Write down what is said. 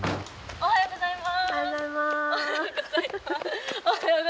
おはようございます。